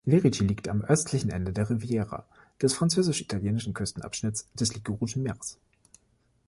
Lerici liegt am östlichen Ende der Riviera, des französisch-italienischen Küstenabschnitts des Ligurischen Meers.